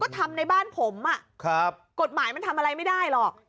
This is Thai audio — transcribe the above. ก็ทำในบ้านผมน่ะปุ่นพยายามทำอะไรไม่ได้หรอกผมฟังว่ามีตำรวจ